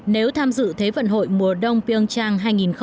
nếu tham dự thế vận hội mùa đông pyeongchang hai nghìn một mươi tám